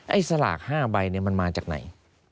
ไอ้สลาก๕ใบเนี่ยมันมาจากไหน